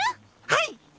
はい！